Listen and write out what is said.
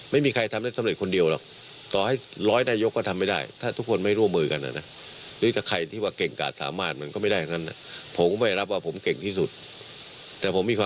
ไม่มีใครทำแบบสำเร็จคนเดี๋ยวหรอกต่อให้ร้อยในยกก็ทำไม่ได้